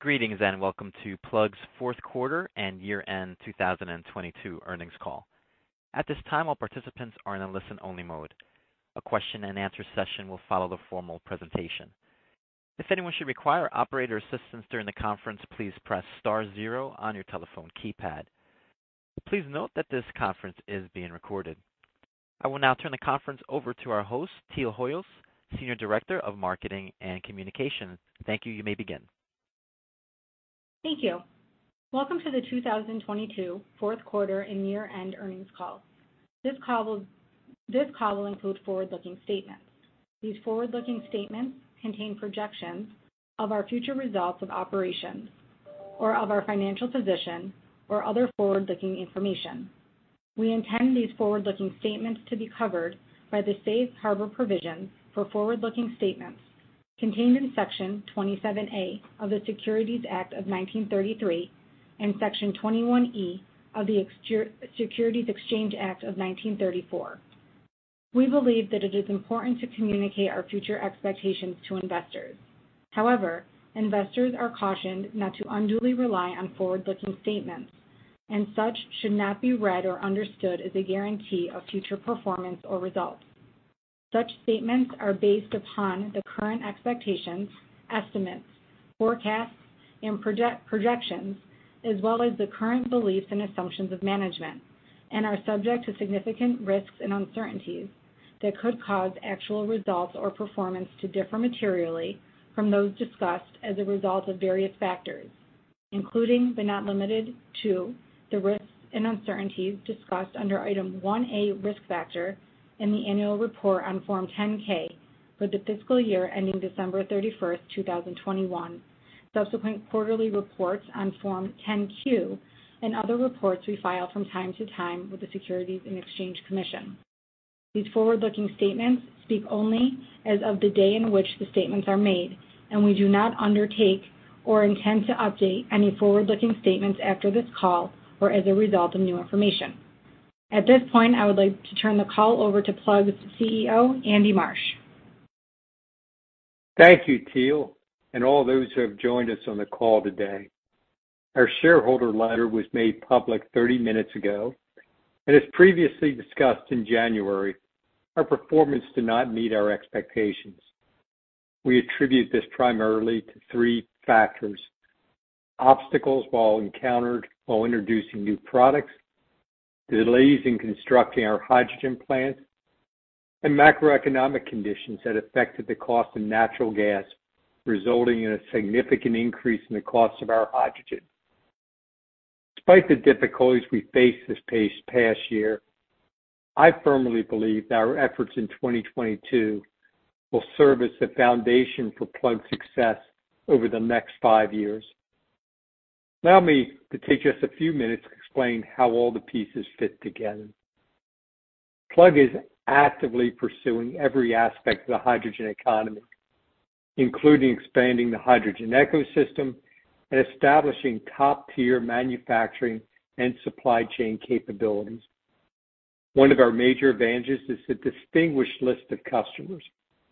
Greetings, welcome to Plug's fourth quarter and year-end 2022 earnings call. At this time, all participants are in a listen-only mode. A question and answer session will follow the formal presentation. If anyone should require operator assistance during the conference, please press star zero on your telephone keypad. Please note that this conference is being recorded. I will now turn the conference over to our host, Teal Hoyos, Senior Director of Marketing and Communications. Thank you. You may begin. Thank you. Welcome to the 2022 fourth quarter and year-end earnings call. This call will include forward-looking statements. These forward-looking statements contain projections of our future results of operations or of our financial position or other forward-looking information. We intend these forward-looking statements to be covered by the safe harbor provisions for forward-looking statements contained in Section 27A of the Securities Act of 1933 and Section 21E of the Securities Exchange Act of 1934. We believe that it is important to communicate our future expectations to investors. However, investors are cautioned not to unduly rely on forward-looking statements, and such should not be read or understood as a guarantee of future performance or results. Such statements are based upon the current expectations, estimates, forecasts, and projections, as well as the current beliefs and assumptions of management, and are subject to significant risks and uncertainties that could cause actual results or performance to differ materially from those discussed as a result of various factors, including but not limited to, the risks and uncertainties discussed under Item 1A, Risk Factor in the annual report on Form 10-K for the fiscal year ending December 31, 2021, subsequent quarterly reports on Form 10-Q, and other reports we file from time to time with the Securities and Exchange Commission. These forward-looking statements speak only as of the day in which the statements are made, we do not undertake or intend to update any forward-looking statements after this call or as a result of new information. At this point, I would like to turn the call over to Plug's CEO, Andy Marsh. Thank you, Teal, and all those who have joined us on the call today. Our shareholder letter was made public 30 minutes ago, and as previously discussed in January, our performance did not meet our expectations. We attribute this primarily to 3 factors: obstacles while encountered while introducing new products, delays in constructing our hydrogen plants, and macroeconomic conditions that affected the cost of natural gas, resulting in a significant increase in the cost of our hydrogen. Despite the difficulties we faced this past year, I firmly believe that our efforts in 2022 will serve as the foundation for Plug's success over the next 5 years. Allow me to take just a few minutes to explain how all the pieces fit together. Plug is actively pursuing every aspect of the hydrogen economy, including expanding the hydrogen ecosystem and establishing top-tier manufacturing and supply chain capabilities. One of our major advantages is the distinguished list of customers,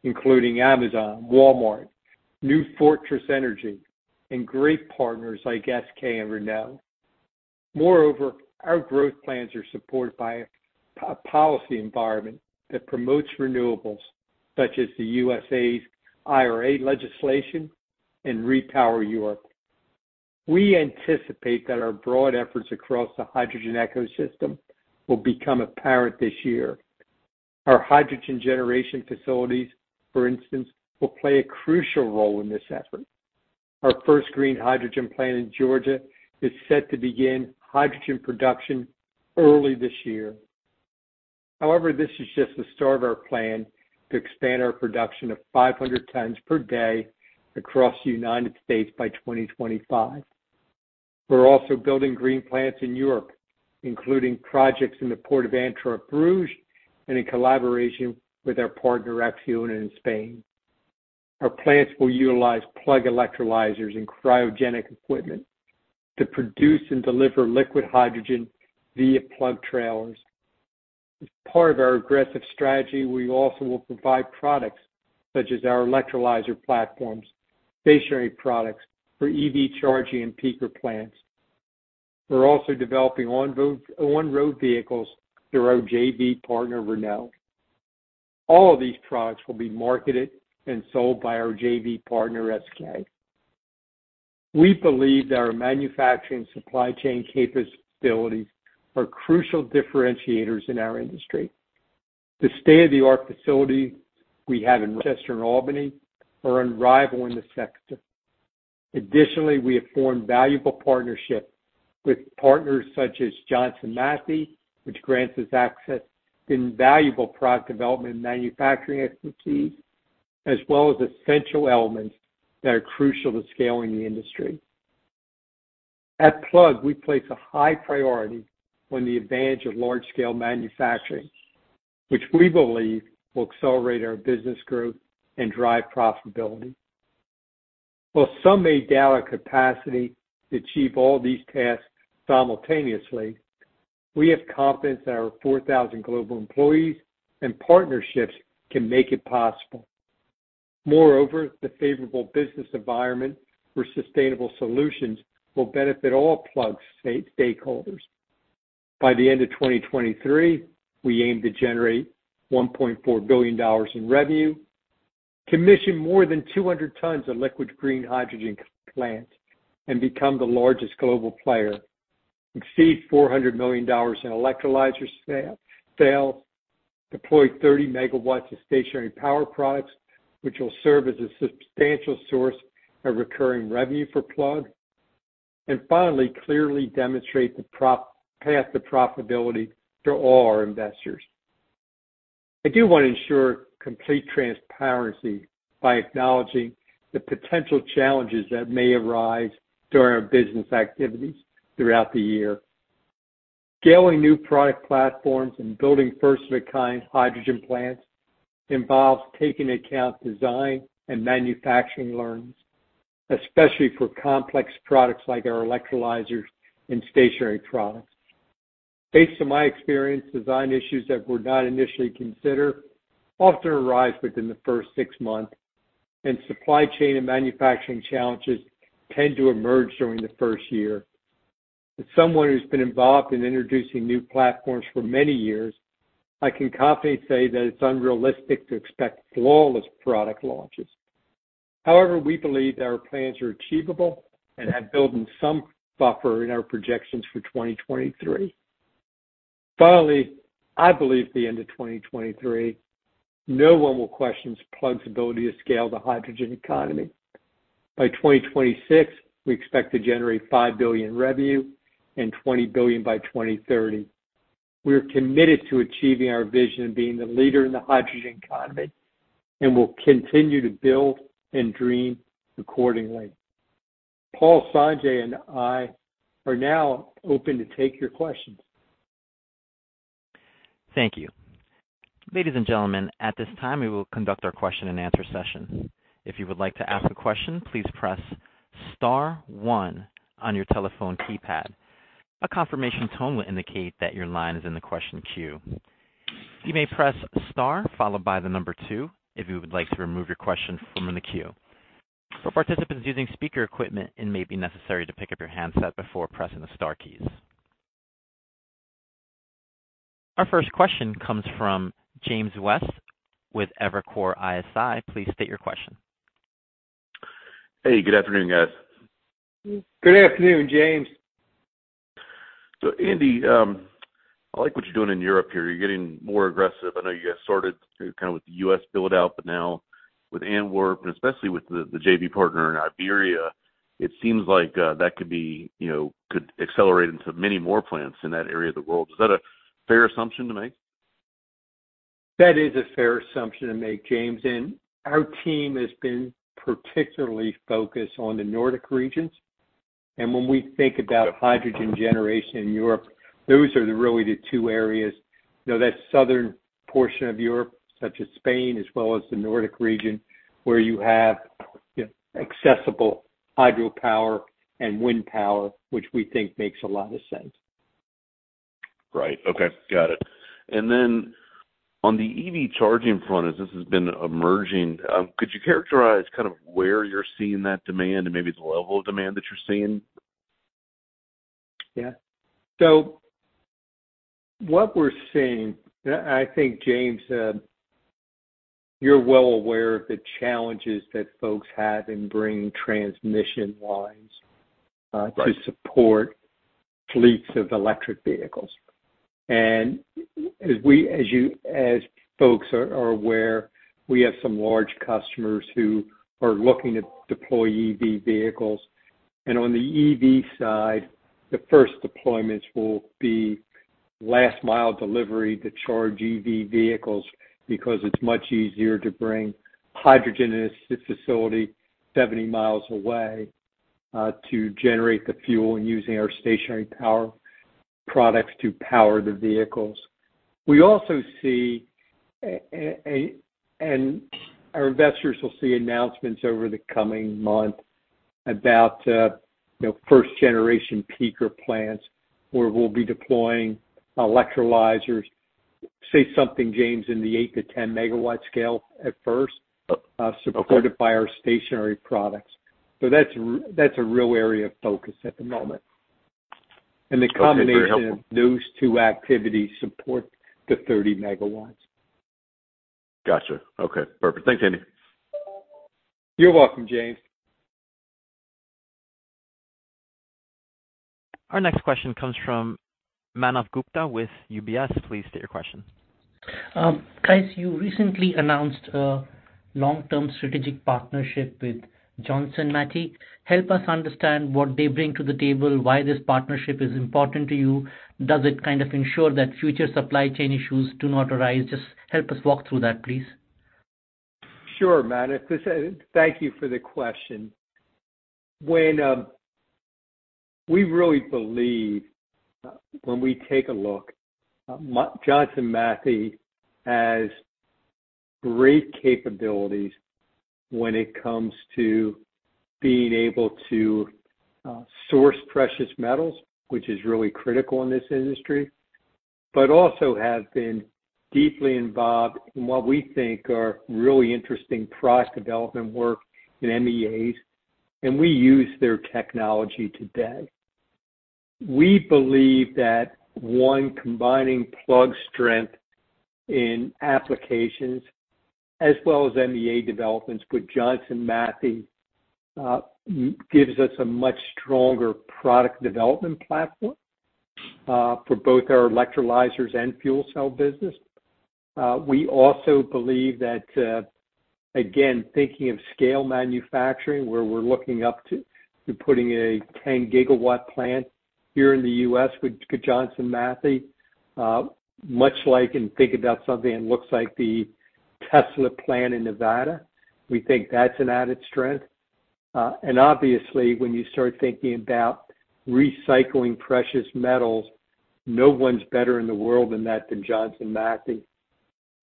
including Amazon, Walmart, New Fortress Energy, and great partners like SK and Renault. Moreover, our growth plans are supported by a policy environment that promotes renewables such as the U.S.A.'s IRA legislation and REPowerEU. We anticipate that our broad efforts across the hydrogen ecosystem will become apparent this year. Our hydrogen generation facilities, for instance, will play a crucial role in this effort. Our first green hydrogen plant in Georgia is set to begin hydrogen production early this year. However, this is just the start of our plan to expand our production of 500 tons per day across the United States by 2025. We're also building green plants in Europe, including projects in the Port of Antwerp, Bruges, and in collaboration with our partner, ACCIONA, in Spain. Our plants will utilize Plug electrolyzers and cryogenic equipment to produce and deliver liquid hydrogen via Plug trailers. As part of our aggressive strategy, we also will provide products such as our electrolyzer platforms, stationary products for EV charging and peaker plants. We're also developing on-road vehicles through our JV partner, Renault. All of these products will be marketed and sold by our JV partner, SK. We believe that our manufacturing supply chain capabilities are crucial differentiators in our industry. The state-of-the-art facility we have in Rochester and Albany are unrivaled in the sector. Additionally, we have formed valuable partnership with partners such as Johnson Matthey, which grants us access to invaluable product development and manufacturing expertise, as well as essential elements that are crucial to scaling the industry. At Plug, we place a high priority on the advantage of large-scale manufacturing, which we believe will accelerate our business growth and drive profitability. Well, some may doubt our capacity to achieve all these tasks simultaneously. We have confidence that our 4,000 global employees and partnerships can make it possible. The favorable business environment for sustainable solutions will benefit all Plug stakeholders. By the end of 2023, we aim to generate $1.4 billion in revenue, commission more than 200 tons of liquid green hydrogen plants and become the largest global player, exceed $400 million in electrolyzer sales, deploy 30 megawatts of stationary power products, which will serve as a substantial source of recurring revenue for Plug, finally, clearly demonstrate the path to profitability to all our investors. I do want to ensure complete transparency by acknowledging the potential challenges that may arise during our business activities throughout the year. Scaling new product platforms and building first-of-a-kind hydrogen plants involves taking into account design and manufacturing learnings, especially for complex products like our electrolyzers and stationary products. Based on my experience, design issues that were not initially considered often arise within the first six months, and supply chain and manufacturing challenges tend to emerge during the first year. As someone who's been involved in introducing new platforms for many years, I can confidently say that it's unrealistic to expect flawless product launches. However, we believe that our plans are achievable and have built in some buffer in our projections for 2023. Finally, I believe at the end of 2023, no one will question Plug's ability to scale the hydrogen economy. By 2026, we expect to generate $5 billion revenue and $20 billion by 2030. We are committed to achieving our vision of being the leader in the hydrogen economy and will continue to build and dream accordingly. Paul, Sanjay, and I are now open to take your questions. Thank you. Ladies and gentlemen, at this time, we will conduct our question-and-answer session. If you would like to ask a question, please press star one on your telephone keypad. A confirmation tone will indicate that your line is in the question queue. You may press star followed by the number two if you would like to remove your question from the queue. For participants using speaker equipment, it may be necessary to pick up your handset before pressing the star keys. Our first question comes from James West with Evercore ISI. Please state your question. Hey, good afternoon, guys. Good afternoon, James. Andy, I like what you're doing in Europe here. You're getting more aggressive. I know you guys started kind of with the U.S. build-out, but now with Antwerp, and especially with the JV partner in Iberia, it seems like that could be, you know, could accelerate into many more plants in that area of the world. Is that a fair assumption to make? That is a fair assumption to make, James. Our team has been particularly focused on the Nordic regions. When we think about hydrogen generation in Europe, those are really the two areas. You know, that southern portion of Europe, such as Spain as well as the Nordic region, where you have, you know, accessible hydropower and wind power, which we think makes a lot of sense. Right. Okay. Got it. Then on the EV charging front, as this has been emerging, could you characterize kind of where you're seeing that demand and maybe the level of demand that you're seeing? Yeah. What we're seeing, and I think, James, you're well aware of the challenges that folks have in bringing transmission lines. Right. To support fleets of electric vehicles. As folks are aware, we have some large customers who are looking to deploy EV vehicles. On the EV side, the first deployments will be last mile delivery to charge EV vehicles because it's much easier to bring hydrogen in a facility 70 miles away to generate the fuel using our stationary power products to power the vehicles. We also see and our investors will see announcements over the coming month about, you know, first-generation peaker plants where we'll be deploying electrolyzers, say something, James, in the 8-10 megawatt scale at first. Okay. Supported by our stationary products. That's a real area of focus at the moment. Okay. Very helpful. The combination of those two activities support the 30 MW. Gotcha. Okay. Perfect. Thanks, Andy. You're welcome, James. Our next question comes from Manav Gupta with UBS. Please state your question. Guys, you recently announced a long-term strategic partnership with Johnson Matthey. Help us understand what they bring to the table, why this partnership is important to you. Does it kind of ensure that future supply chain issues do not arise? Just help us walk through that, please. Sure, Manav. This. Thank you for the question. We really believe when we take a look at Johnson Matthey has great capabilities when it comes to being able to source precious metals, which is really critical in this industry, but also have been deeply involved in what we think are really interesting product development work in MEAs. We use their technology today. We believe that one combining Plug strength in applications as well as MEA developments with Johnson Matthey gives us a much stronger product development platform for both our electrolyzers and fuel cell business. We also believe that again, thinking of scale manufacturing, where we're looking up to putting a 10-gigawatt plant here in the U.S. with Johnson Matthey, much like in thinking about something that looks like the Tesla plant in Nevada. We think that's an added strength. Obviously, when you start thinking about recycling precious metals, no one's better in the world in that than Johnson Matthey.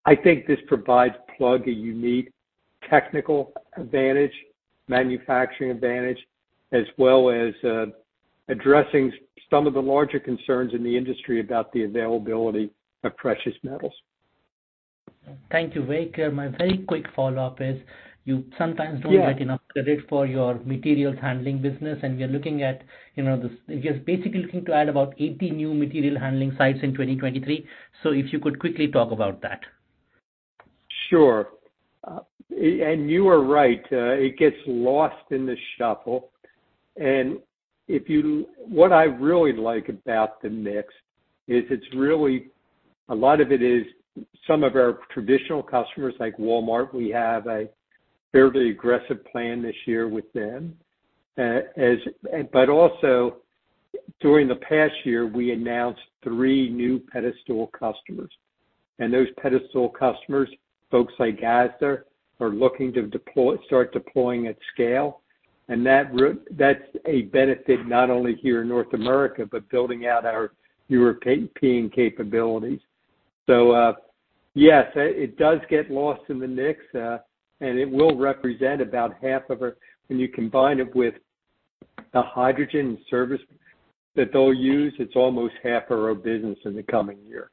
I think this provides Plug a unique technical advantage, manufacturing advantage, as well as, addressing some of the larger concerns in the industry about the availability of precious metals. Thank you. Very clear. My very quick follow-up is you sometimes- Yeah. -Don't get enough credit for your materials handling business, and we are looking at, you know, You're basically looking to add about 80 new material handling sites in 2023. If you could quickly talk about that? Sure. You are right. It gets lost in the shuffle. What I really like about the mix is it's really, a lot of it is some of our traditional customers like Walmart, we have a fairly aggressive plan this year with them. Also, during the past year, we announced three new Pedestal customers. Those Pedestal customers, folks like Asda, are looking to start deploying at scale. That's a benefit not only here in North America, but building out our European capabilities. Yes, it does get lost in the mix, and it will represent about half of our... When you combine it with the hydrogen service that they'll use, it's almost half of our business in the coming year.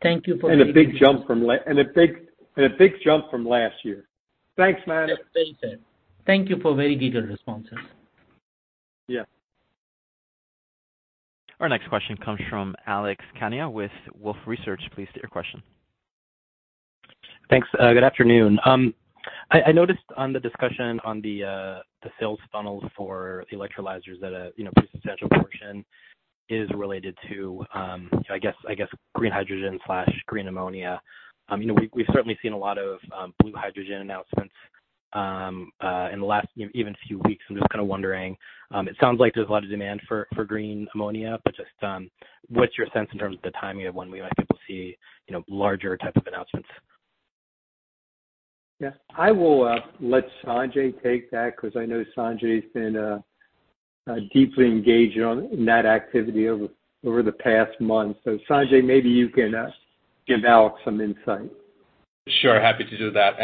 Thank you. A big jump from last year. Thanks, Manav. Yes. Very clear. Thank you for very detailed responses. Yeah. Our next question comes from Alex Kania with Wolfe Research. Please state your question. Thanks. Good afternoon. I noticed on the discussion on the sales funnels for the electrolyzers that, you know, a substantial portion is related to, I guess green hydrogen/green ammonia. You know, we've certainly seen a lot of blue hydrogen announcements in the last even few weeks. I'm just kind of wondering, it sounds like there's a lot of demand for green ammonia, but just, what's your sense in terms of the timing of when we might be able to see, you know, larger type of announcements? Yeah. I will let Sanjay take that because I know Sanjay's been deeply engaged in that activity over the past month. Sanjay, maybe you can give Alex some insight. Sure. Happy to do that.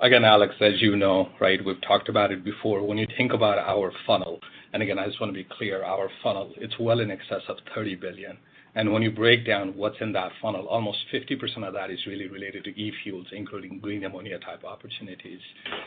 Again, Alex, as you know, right, we've talked about it before. When you think about our funnel, again, I just wanna be clear, our funnel, it's well in excess of $30 billion. When you break down what's in that funnel, almost 50% of that is really related to e-fuels, including green ammonia type opportunities.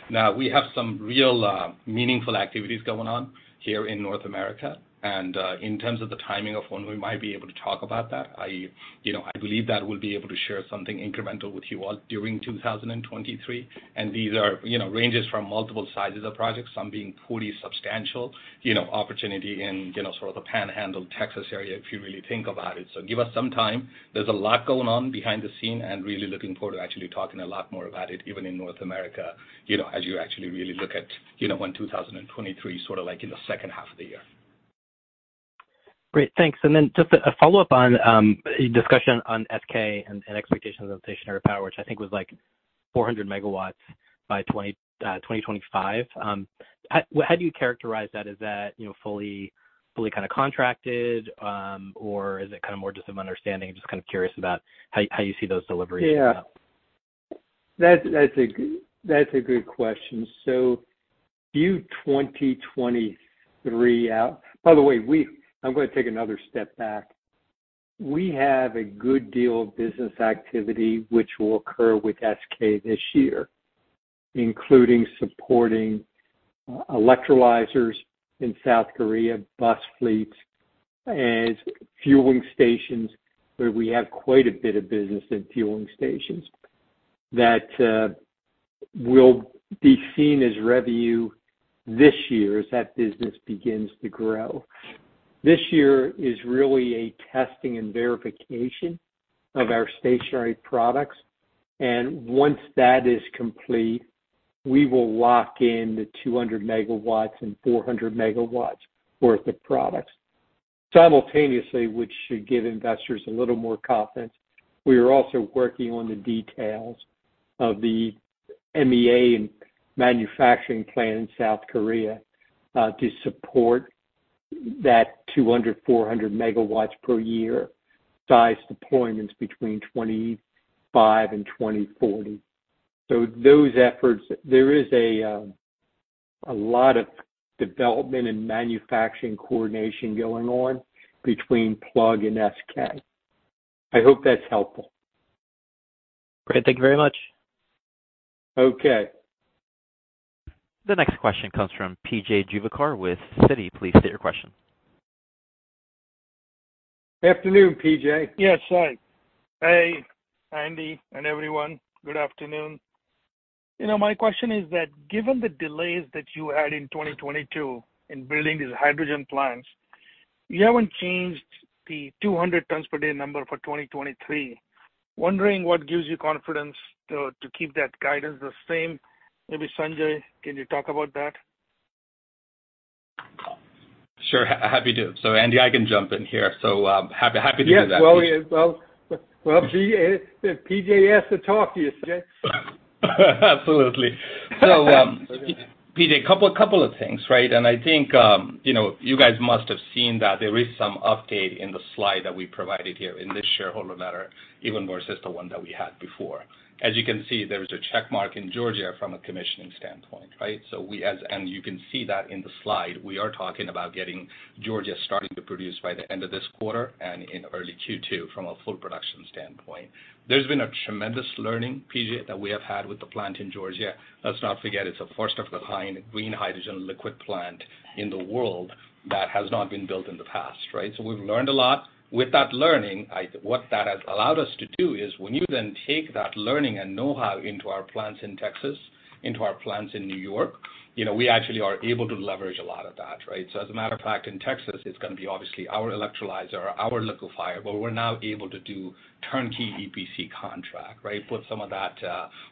Now, we have some real meaningful activities going on here in North America. In terms of the timing of when we might be able to talk about that, I, you know, I believe that we'll be able to share something incremental with you all during 2023. These are, you know, ranges from multiple sizes of projects, some being pretty substantial, you know, opportunity in, you know, sort of the Panhandle Texas area, if you really think about it. Give us some time. There's a lot going on behind the scene and really looking forward to actually talking a lot more about it, even in North America, you know, as you actually really look at, you know, when 2023, sort of like in the second half of the year. Great. Thanks. Just a follow-up on a discussion on SK and expectations of stationary power, which I think was like 400 megawatts by 2025. How do you characterize that? Is that, you know, fully kinda contracted, or is it kinda more just some understanding? I'm just kinda curious about how you see those deliveries playing out. Yeah. That's a good question. View 2023 out. By the way, I'm gonna take another step back. We have a good deal of business activity which will occur with SK this year, including supporting electrolyzers in South Korea, bus fleets, and fueling stations, where we have quite a bit of business in fueling stations that will be seen as revenue this year as that business begins to grow. This year is really a testing and verification of our stationary products. Once that is complete, we will lock in the 200 megawatts and 400 megawatts worth of products. Simultaneously, which should give investors a little more confidence, we are also working on the details of the MEA and manufacturing plant in South Korea, to support that 200 megawatts-400 megawatts per year size deployments between 2025 and 2040. Those efforts, there is a lot of development and manufacturing coordination going on between Plug and SK. I hope that's helpful. Great. Thank you very much. Okay. The next question comes from PJ Juvekar with Citi. Please state your question. Afternoon, PJ. Yes. Hi. Hey, Andy, and everyone, good afternoon. You know, my question is that given the delays that you had in 2022 in building these hydrogen plants, you haven't changed the 200 tons per day number for 2023. Wondering what gives you confidence to keep that guidance the same? Maybe Sanjay, can you talk about that? Sure. Happy to. Andy, I can jump in here. Happy to do that. Yes. Well, well, well, PJ, if PJ asks to talk to you, Sanjay. Absolutely. PJ, a couple of things, right? I think, you know, you guys must have seen that there is some update in the slide that we provided here in this shareholder letter, even more since the one that we had before. As you can see, there is a check mark in Georgia from a commissioning standpoint, right? You can see that in the slide. We are talking about getting Georgia starting to produce by the end of this quarter and in early Q2 from a full production standpoint. There's been a tremendous learning, PJ, that we have had with the plant in Georgia. Let's not forget, it's a first of the kind green hydrogen liquid plant in the world that has not been built in the past, right? We've learned a lot. With that learning, what that has allowed us to do is when you then take that learning and know-how into our plants in Texas, into our plants in New York, you know, we actually are able to leverage a lot of that, right? As a matter of fact, in Texas, it's gonna be obviously our electrolyzer, our liquefier, but we're now able to do turnkey EPC contract, right? Put some of that,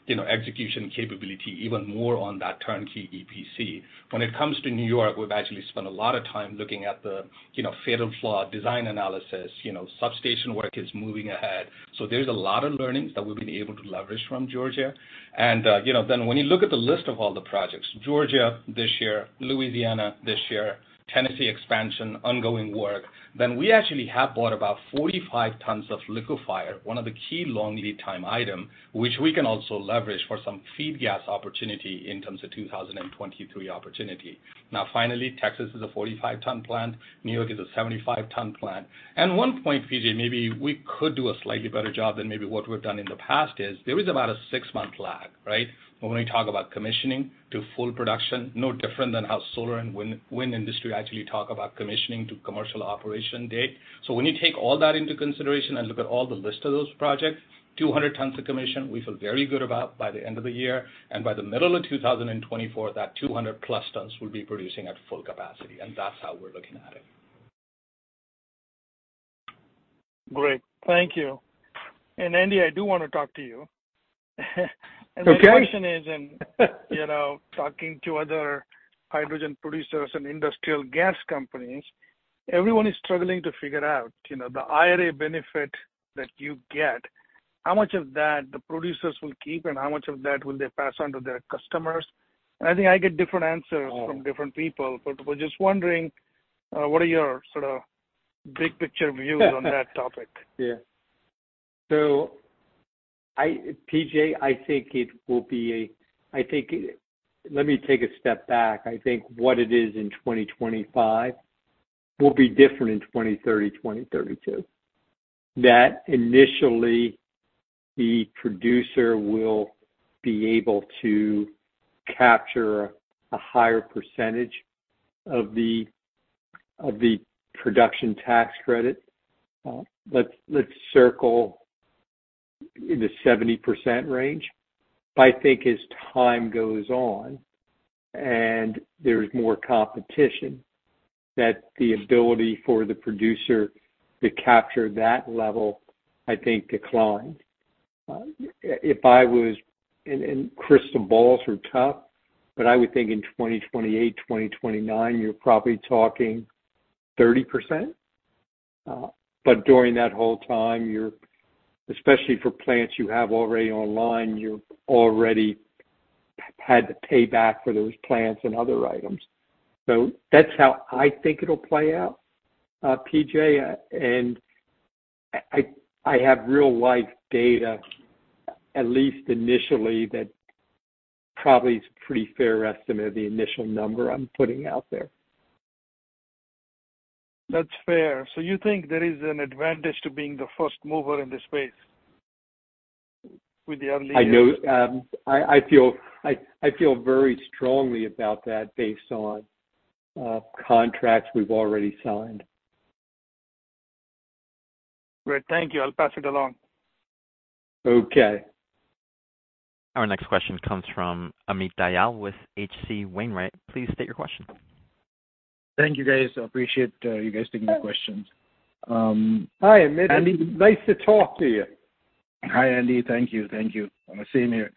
you know, execution capability even more on that turnkey EPC. When it comes to New York, we've actually spent a lot of time looking at the, you know, fatal flaw design analysis. You know, substation work is moving ahead. There's a lot of learnings that we've been able to leverage from Georgia. You know, when you look at the list of all the projects, Georgia this year, Louisiana this year, Tennessee expansion, ongoing work, then we actually have bought about 45 tons of liquefier, one of the key long lead time item, which we can also leverage for some feed gas opportunity in terms of 2023 opportunity. Finally, Texas is a 45-ton plant. New York is a 75-ton plant. One point, PJ, maybe we could do a slightly better job than maybe what we've done in the past is there is about six-month lag, right? When we talk about commissioning to full production, no different than how solar and wind industry actually talk about commissioning to commercial operation date. When you take all that into consideration and look at all the list of those projects, 200 tons of commission, we feel very good about by the end of the year. By the middle of 2024, that 200 plus tons will be producing at full capacity, and that's how we're looking at it. Great. Thank you. Andy, I do wanna talk to you. Okay. The question is in, you know, talking to other hydrogen producers and industrial gas companies, everyone is struggling to figure out, you know, the IRA benefit that you get, how much of that the producers will keep and how much of that will they pass on to their customers. I think I get different answers. Mm. From different people. But just wondering, what are your sort of big picture views on that topic? Yeah. PJ, I think it will be a... I think, let me take a step back. I think what it is in 2025 will be different in 2030, 2032. That initially the producer will be able to capture a higher percentage of the, of the Production Tax Credit. Let's, let's circle in the 70% range. I think as time goes on and there's more competition, that the ability for the producer to capture that level, I think, decline. If I was... crystal balls are tough, but I would think in 2028, 2029, you're probably talking 30%. During that whole time, you're, especially for plants you have already online, you've already had the payback for those plants and other items. That's how I think it'll play out, PJ. I have real life data, at least initially, that probably is pretty fair estimate of the initial number I'm putting out there. That's fair. You think there is an advantage to being the first mover in this space with the early years? I know. I feel very strongly about that based on contracts we've already signed. Great. Thank you. I'll pass it along. Okay. Our next question comes from Amit Dayal with H.C. Wainwright. Please state your question. Thank you, guys. I appreciate you guys taking my questions. Hi, Amit. Nice to talk to you Hi, Andy. Thank you. Thank you. Same here.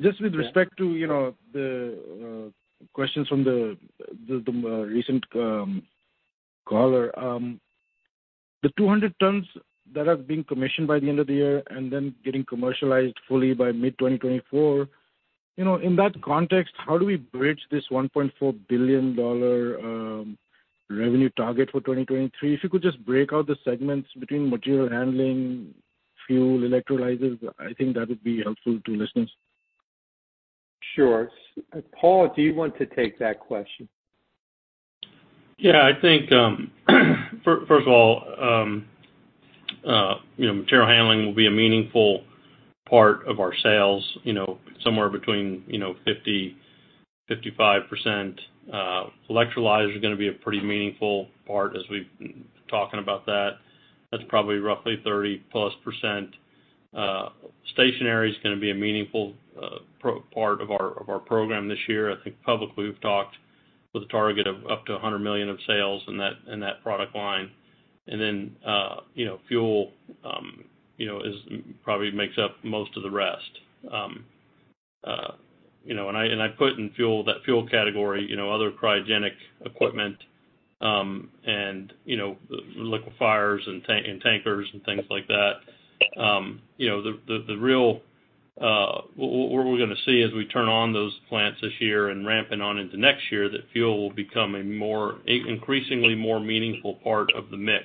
just with respect to, you know, the questions from the recent caller. The 200 tons that have been commissioned by the end of the year and then getting commercialized fully by mid-2024, you know, in that context, how do we bridge this $1.4 billion revenue target for 2023? If you could just break out the segments between material handling, fuel electrolyzers, I think that would be helpful to listeners. Sure. Paul, do you want to take that question? I think, first of all, you know, material handling will be a meaningful part of our sales, you know, somewhere between, you know, 50%-55%. Electrolyzers are gonna be a pretty meaningful part as we've been talking about that. That's probably roughly 30+%. Stationary is gonna be a meaningful part of our program this year. I think publicly, we've talked with a target of up to $100 million of sales in that product line. Then, you know, fuel, you know, is probably makes up most of the rest. You know, and I put in fuel, that fuel category, you know, other cryogenic equipment, and, you know, liquefiers and tankers and things like that. You know, the real. What we're gonna see as we turn on those plants this year and ramp it on into next year, that fuel will become an increasingly more meaningful part of the mix,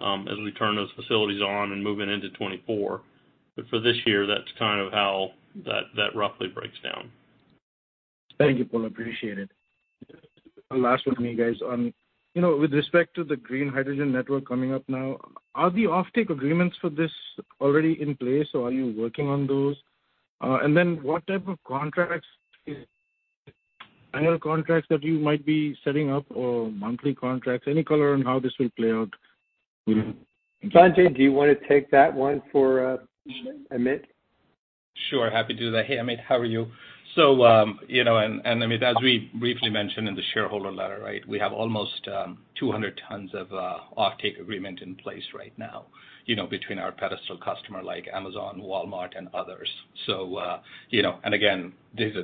as we turn those facilities on and moving into 2024. For this year, that's kind of how that roughly breaks down. Thank you, Paul. Appreciate it. Last one from me, guys. You know, with respect to the green hydrogen network coming up now, are the offtake agreements for this already in place, or are you working on those? What type of contracts is annual contracts that you might be setting up or monthly contracts? Any color on how this will play out? Sanjay, do you wanna take that one for Amit? Sure. Happy to do that. Hey, Amit. How are you? you know, Amit, as we briefly mentioned in the shareholder letter, right, we have almost 200 tons of offtake agreement in place right now, you know, between our Pedestal customer like Amazon, Walmart, and others. you know, again,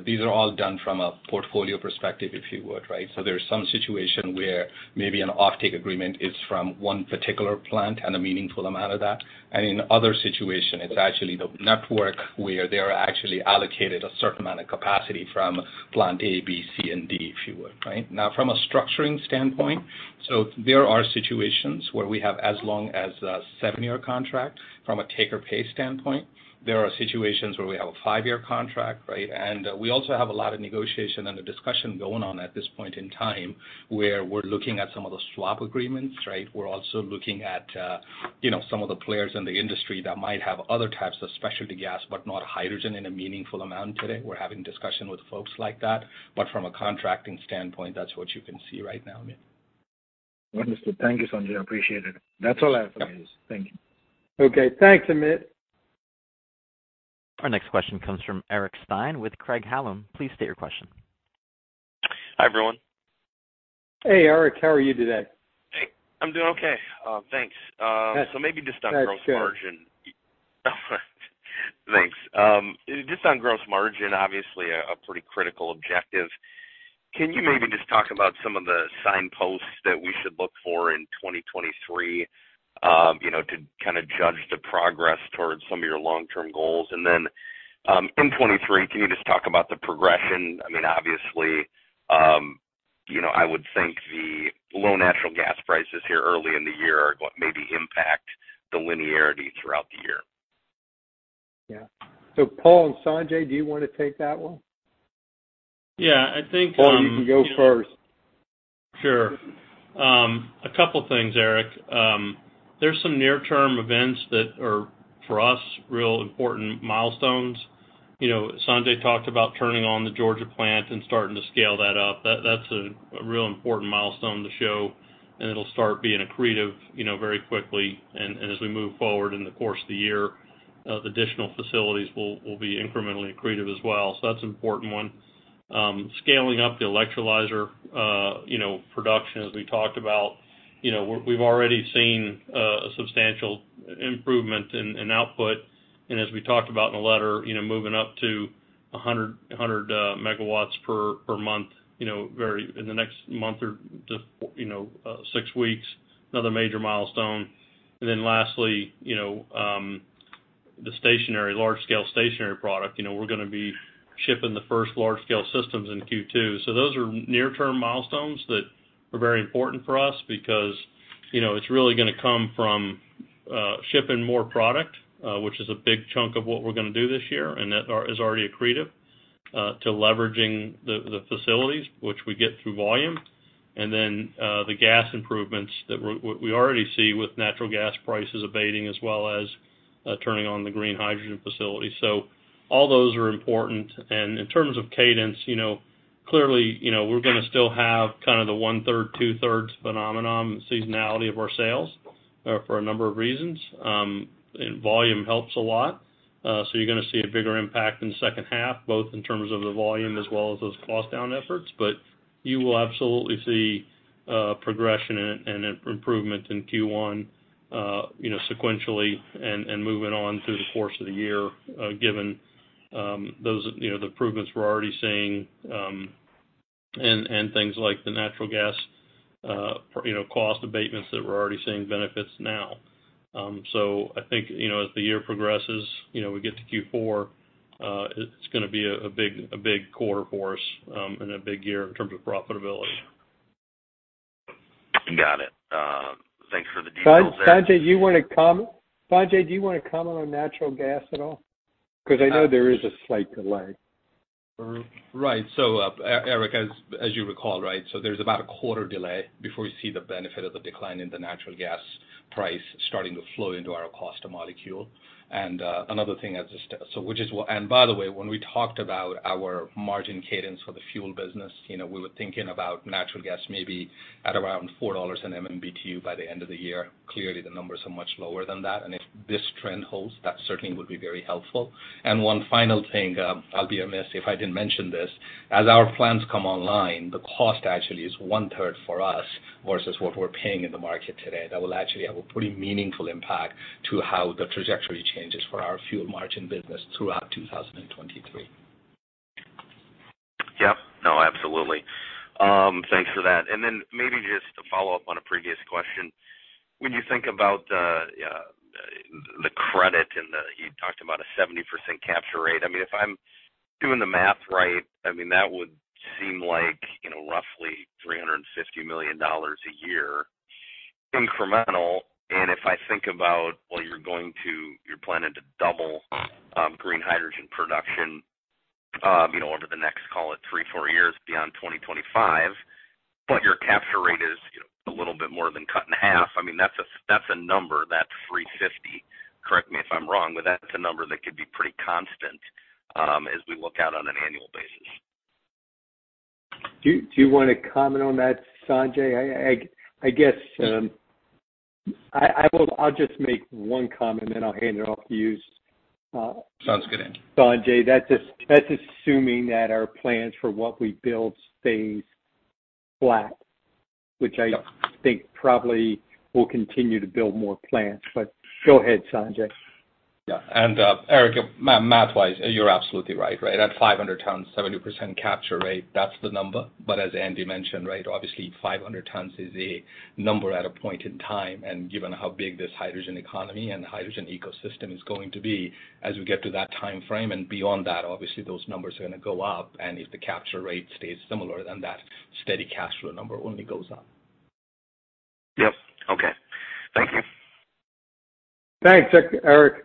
these are all done from a portfolio perspective, if you would, right? There's some situation where maybe an offtake agreement is from one particular plant and a meaningful amount of that. In other situation, it's actually the network where they are actually allocated a certain amount of capacity from plant A, B, C, and D, if you would, right? Now, from a structuring standpoint, so there are situations where we have as long as a seven-year contract from a take or pay standpoint. There are situations where we have a five-year contract, right? We also have a lot of negotiation and a discussion going on at this point in time, where we're looking at some of the swap agreements, right? We're also looking at, you know, some of the players in the industry that might have other types of specialty gas, but not hydrogen in a meaningful amount today. We're having discussion with folks like that. From a contracting standpoint, that's what you can see right now, Amit. Understood. Thank you, Sanjay. Appreciate it. That's all I have for you. Thank you. Okay. Thanks, Amit. Our next question comes from Eric Stine with Craig-Hallum. Please state your question. Hi, everyone. Hey, Eric. How are you today? Hey. I'm doing okay. Thanks. Good. Maybe just on gross margin. Thanks. Just on gross margin, obviously a pretty critical objective. Can you maybe just talk about some of the signposts that we should look for in 2023, you know, to kinda judge the progress towards some of your long-term goals? In 2023, can you just talk about the progression? I mean, obviously, you know, I would think the low natural gas prices here early in the year are what maybe impact the linearity throughout the year. Yeah. Paul and Sanjay, do you wanna take that one? Yeah. I think. Paul, you can go first. Sure. A couple things, Eric. There's some near-term events that are, for us, real important milestones. You know, Sanjay talked about turning on the Georgia plant and starting to scale that up. That's a real important milestone to show, and it'll start being accretive, you know, very quickly. As we move forward in the course of the year, the additional facilities will be incrementally accretive as well. That's an important one. Scaling up the electrolyzer, you know, production, as we talked about. You know, we've already seen a substantial improvement in output. As we talked about in the letter, you know, moving up to 100 megawatts per month, you know, in the next month or just, you know, 6 weeks, another major milestone. Lastly, you know, the stationary, large-scale stationary product. You know, we're gonna be shipping the first large-scale systems in Q2. Those are near-term milestones that are very important for us because, you know, it's really gonna come from shipping more product, which is a big chunk of what we're gonna do this year, and that is already accretive to leveraging the facilities which we get through volume. The gas improvements that we already see with natural gas prices abating as well as turning on the green hydrogen facility. All those are important. In terms of cadence, you know, clearly, you know, we're gonna still have kind of the one-third, two-thirds phenomenon seasonality of our sales for a number of reasons. Volume helps a lot. You're gonna see a bigger impact in the second half, both in terms of the volume as well as those cost down efforts. You will absolutely see progression and improvement in Q1, you know, sequentially and moving on through the course of the year, given those, you know, the improvements we're already seeing, and things like the natural gas, you know, cost abatements that we're already seeing benefits now. I think, you know, as the year progresses, you know, we get to Q4, it's gonna be a big quarter for us, and a big year in terms of profitability. Got it. Thanks for the details there. Sanjay, you wanna comment? Sanjay, do you wanna comment on natural gas at all? 'Cause I know there is a slight delay. Right. Eric, as you recall, right? There's about a quarter delay before you see the benefit of the decline in the natural gas price starting to flow into our cost of molecule. Another thing which is and by the way, when we talked about our margin cadence for the fuel business, you know, we were thinking about natural gas maybe at around $4 in MMBTU by the end of the year. Clearly, the numbers are much lower than that. If this trend holds, that certainly would be very helpful. One final thing, I'll be remiss if I didn't mention this. As our plants come online, the cost actually is 1/3 for us versus what we're paying in the market today. That will actually have a pretty meaningful impact to how the trajectory changes for our fuel margin business throughout 2023. Yep. No, absolutely. Thanks for that. Maybe just to follow up on a previous question. When you think about the credit and the... You talked about a 70% capture rate. I mean, if I'm doing the math right, I mean, that would seem like, you know, roughly $350 million a year incremental. If I think about, well, you're planning to double green hydrogen production, you know, over the next, call it, three, four years beyond 2025, but your capture rate is, you know, a little bit more than cut in half. I mean, that's a, that's a number, that $350, correct me if I'm wrong, but that's a number that could be pretty constant as we look out on an annual basis. Do you wanna comment on that, Sanjay? I guess I'll just make one comment, and then I'll hand it off to you. Sounds good, Andy. ...Sanjay. That's assuming that our plans for what we build stays flat, which I... Yep ...Think probably we'll continue to build more plans. Go ahead, Sanjay. Yeah. Eric, math-wise, you're absolutely right? At 500 tons, 70% capture rate, that's the number. As Andy mentioned, right, obviously, 500 tons is a number at a point in time. Given how big this hydrogen economy and hydrogen ecosystem is going to be as we get to that timeframe and beyond that, obviously those numbers are gonna go up. If the capture rate stays similar, then that steady cash flow number only goes up. Yep. Okay. Thank you. Thanks, Eric.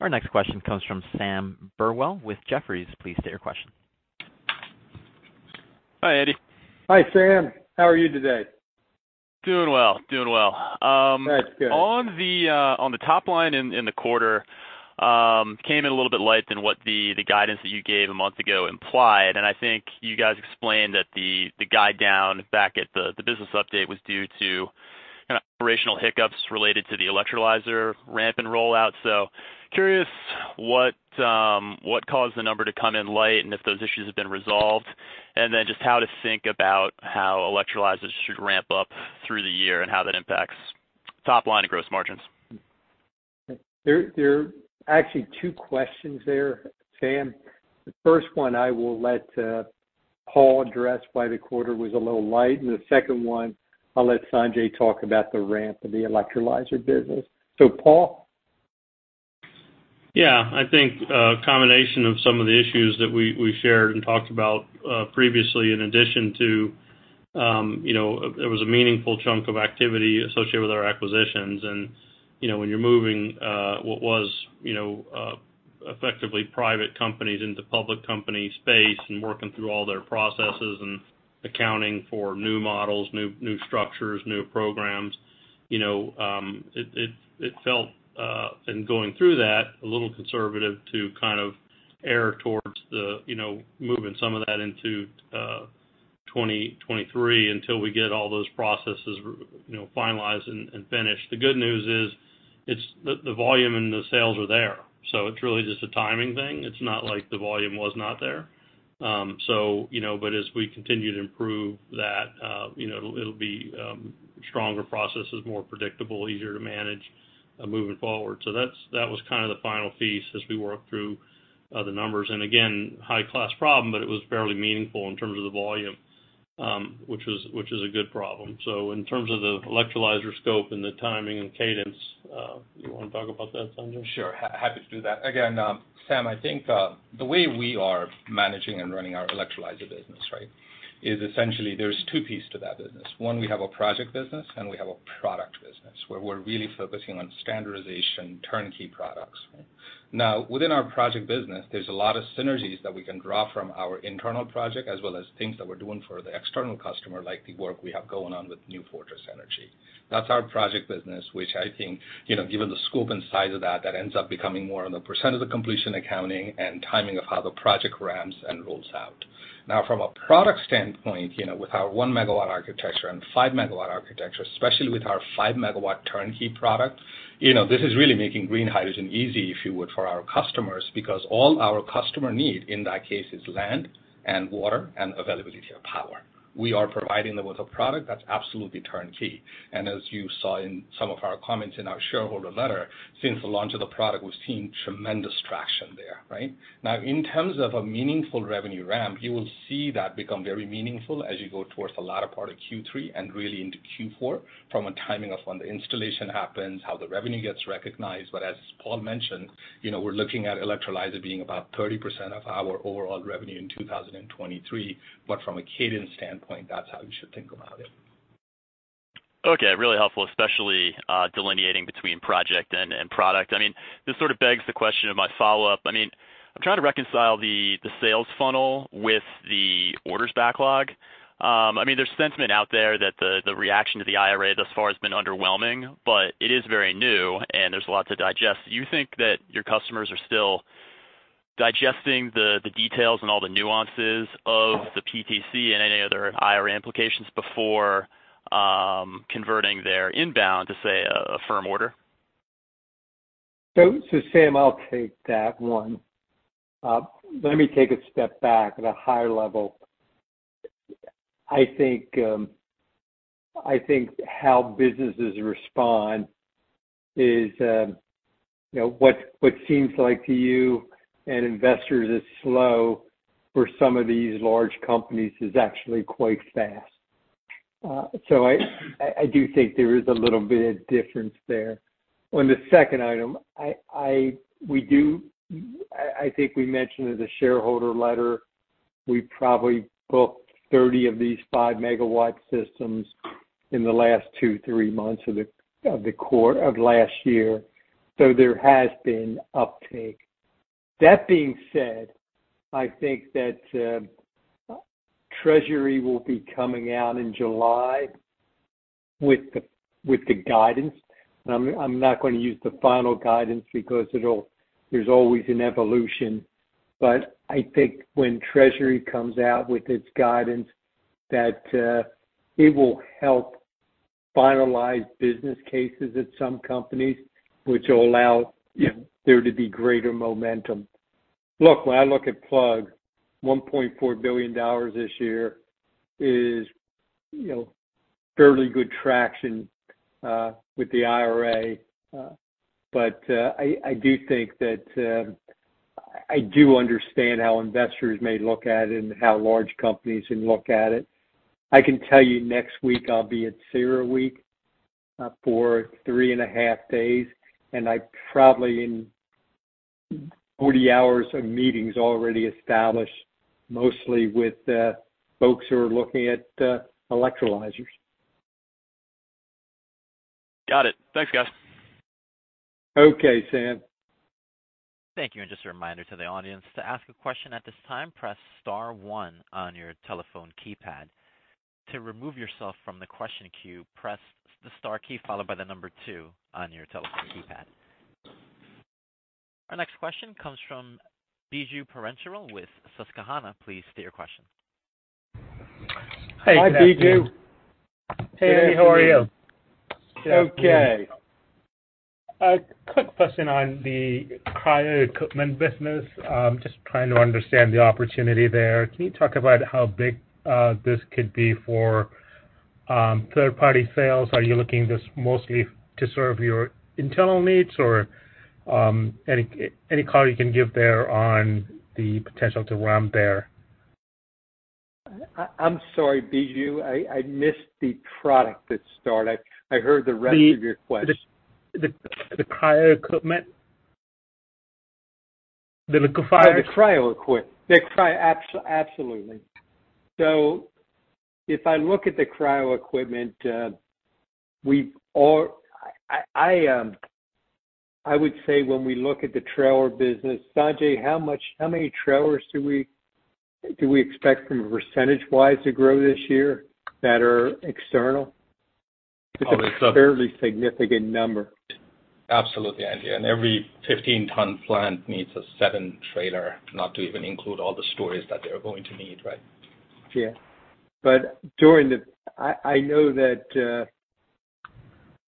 Our next question comes from Sam Burwell with Jefferies. Please state your question. Hi, Andy. Hi, Sam. How are you today? Doing well. Doing well. That's good. On the on the top line in in the quarter, came in a little bit light than what the guidance that you gave a month ago implied. I think you guys explained that the guide down back at the business update was due to kinda operational hiccups related to the electrolyzer ramp and rollout. Curious what caused the number to come in light, and if those issues have been resolved. Just how to think about how electrolyzers should ramp up through the year and how that impacts top line and gross margins. There are actually two questions there, Sam. The first one I will let Paul address why the quarter was a little light, and the second one I'll let Sanjay talk about the ramp of the electrolyzer business. Paul? Yeah. I think a combination of some of the issues that we shared and talked about previously, in addition to, you know, there was a meaningful chunk of activity associated with our acquisitions. You know, when you're moving, what was, you know, effectively private companies into public company space and working through all their processes and accounting for new models, new structures, new programs, you know, it felt in going through that, a little conservative to kind of err towards the, you know, moving some of that into 2023 until we get all those processes, you know, finalized and finished. The good news is, it's the volume and the sales are there, so it's really just a timing thing. It's not like the volume was not there. You know, but as we continue to improve that, you know, it'll be stronger processes, more predictable, easier to manage, moving forward. That was kind of the final piece as we work through the numbers. And again, high-class problem, but it was fairly meaningful in terms of the volume, which is a good problem. In terms of the electrolyzer scope and the timing and cadence, you wanna talk about that, Sanjay? Sure. Happy to do that. Again, Sam, I think, the way we are managing and running our electrolyzer business, right, is essentially there's two piece to that business. One, we have a project business, and we have a product business where we're really focusing on standardization turnkey products. Now, within our project business, there's a lot of synergies that we can draw from our internal project as well as things that we're doing for the external customer, like the work we have going on with New Fortress Energy. That's our project business, which I think, you know, given the scope and size of that ends up becoming more on the % of the completion accounting and timing of how the project ramps and rolls out. From a product standpoint, you know, with our 1-megawatt architecture and 5-megawatt architecture, especially with our 5-megawatt turnkey product, you know, this is really making green hydrogen easy, if you would, for our customers, because all our customer need in that case is land and water and availability of power. We are providing them with a product that's absolutely turnkey. As you saw in some of our comments in our shareholder letter, since the launch of the product, we've seen tremendous traction there, right? In terms of a meaningful revenue ramp, you will see that become very meaningful as you go towards the latter part of Q3 and really into Q4 from a timing of when the installation happens, how the revenue gets recognized. As Paul mentioned, you know, we're looking at electrolyzer being about 30% of our overall revenue in 2023. From a cadence standpoint, that's how you should think about it. Okay, really helpful, especially delineating between project and product. I mean, this sort of begs the question of my follow-up. I mean, I'm trying to reconcile the sales funnel with the orders backlog. I mean, there's sentiment out there that the reaction to the IRA thus far has been underwhelming, but it is very new, and there's a lot to digest. Do you think that your customers are still digesting the details and all the nuances of the PTC and any other IRA implications before converting their inbound to, say, a firm order? Sam, I'll take that one. Let me take a step back at a higher level. I think how businesses respond is, you know, what seems like to you and investors is slow for some of these large companies is actually quite fast. I, we do, I think we mentioned in the shareholder letter, we probably booked 30 of these 5-megawatt systems in the last two months, three months of the quarter of last year. There has been uptake. That being said, I think that Treasury will be coming out in July with the guidance. I'm not gonna use the final guidance because there's always an evolution. I think when Treasury comes out with its guidance, that it will help finalize business cases at some companies, which will allow, you know, there to be greater momentum. Look, when I look at Plug, $1.4 billion this year is, you know, fairly good traction with the IRA. I do think that I do understand how investors may look at it and how large companies can look at it. I can tell you next week I'll be at CERAWeek for 3.5 days, and I probably in 40 hours of meetings already established, mostly with folks who are looking at electrolyzers. Got it. Thanks, guys. Okay, Sam. Thank you. Just a reminder to the audience, to ask a question at this time, press star one on your telephone keypad. To remove yourself from the question queue, press the star key followed by two on your telephone keypad. Our next question comes from Biju Perincheril with Susquehanna. Please state your question. Hi, Biju. Hey, how are you? Okay. A quick question on the cryo equipment business. Just trying to understand the opportunity there. Can you talk about how big this could be for third-party sales? Are you looking this mostly to serve your internal needs or any color you can give there on the potential to ramp there? I'm sorry, Biju, I missed the product that started. I heard the rest of your question. The cryo equipment. The liquefier. The cryo. Absolutely. If I look at the cryo equipment, we've all. I would say when we look at the trailer business, Sanjay, how many trailers do we expect from a percentage-wise to grow this year that are external? It's a fairly significant number. Absolutely, Andy. Every 15-ton plant needs a 7 trailer, not to even include all the storage that they're going to need, right? Yeah. During the... I know that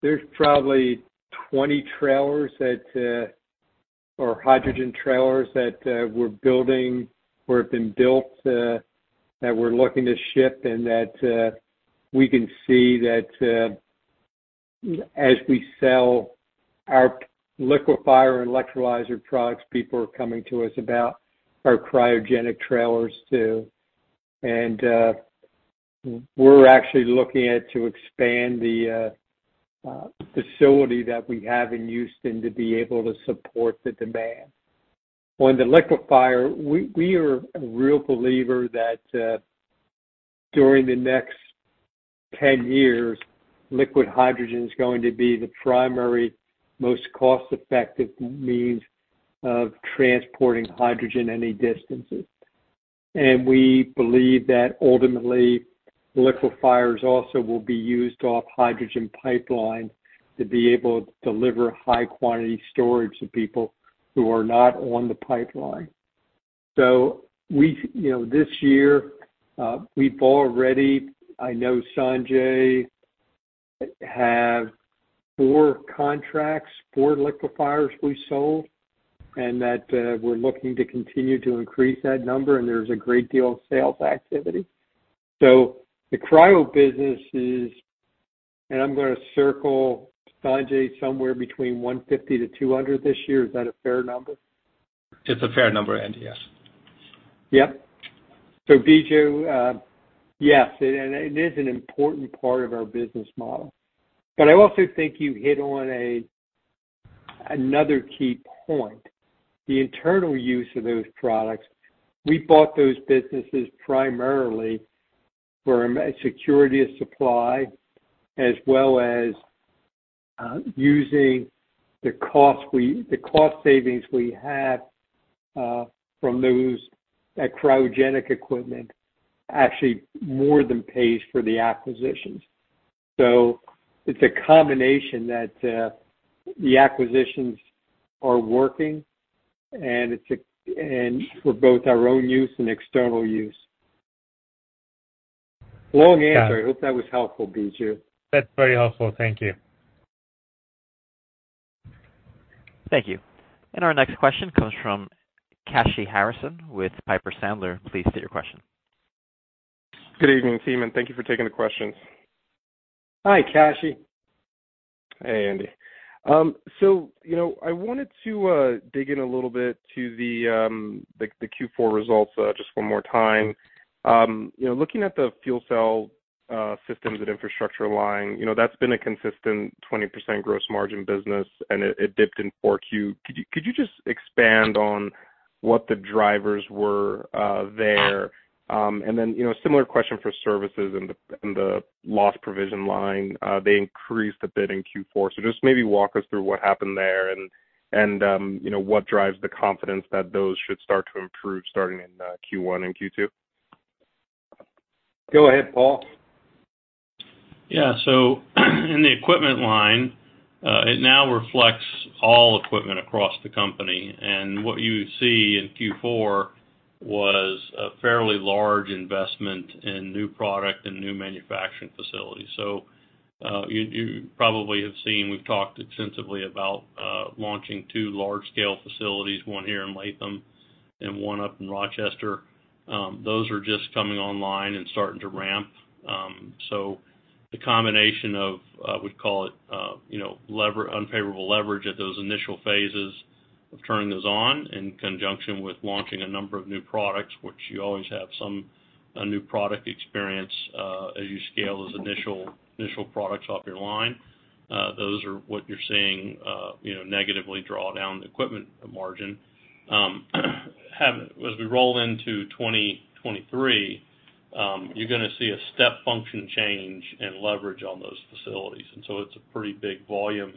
there's probably 20 trailers or hydrogen trailers we're building or have been built that we're looking to ship, and that we can see that as we sell our liquefier and electrolyzer products, people are coming to us about our cryogenic trailers too. We're actually looking at to expand the facility that we have in Houston to be able to support the demand. On the liquefier, we are a real believer that during the next 10 years, liquid hydrogen is going to be the primary, most cost-effective means of transporting hydrogen any distances. We believe that ultimately, liquefiers also will be used off hydrogen pipelines to be able to deliver high quantity storage to people who are not on the pipeline. We, you know, this year, I know Sanjay have four contracts, four liquefiers we sold. We're looking to continue to increase that number, and there's a great deal of sales activity. The cryo business is. I'm going to circle Sanjay somewhere between 150-200 this year. Is that a fair number? It's a fair number, Andy, yes. Yep. Biju, yes, it is an important part of our business model. I also think you hit on another key point, the internal use of those products. We bought those businesses primarily for security of supply as well as using the cost savings we have from that cryogenic equipment actually more than pays for the acquisitions. It's a combination that the acquisitions are working, and for both our own use and external use. Long answer. Got it. I hope that was helpful, Biju. That's very helpful. Thank you. Thank you. Our next yuestion comes from Kashy Harrison with Piper Sandler. Please state your question. Good evening, team, thank you for taking the questions. Hi, Kashy. Hey, Andy. You know, I wanted to dig in a little bit to the Q4 results just one more time. You know, looking at the fuel cell systems and infrastructure line, you know, that's been a consistent 20% gross margin business, and it dipped in 4Q. Could you just expand on what the drivers were there? You know, similar question for services and the loss provision line. They increased a bit in Q4. Just maybe walk us through what happened there and, you know, what drives the confidence that those should start to improve starting in Q1 and Q2. Go ahead, Paul. In the equipment line, it now reflects all equipment across the company. What you see in Q4 was a fairly large investment in new product and new manufacturing facilities. You, you probably have seen, we've talked extensively about launching two large-scale facilities, one here in Latham and one up in Rochester. Those are just coming online and starting to ramp. The combination of, we call it, you know, unfavorable leverage at those initial phases of turning those on in conjunction with launching a number of new products, which you always have some, a new product experience, as you scale those initial products off your line. Those are what you're seeing, you know, negatively draw down the equipment margin. As we roll into 2023, you're gonna see a step-function change and leverage on those facilities. It's a pretty big volume